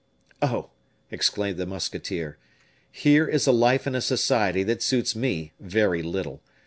"Oh!" exclaimed the musketeer, "here is a life and a society that suits me very little.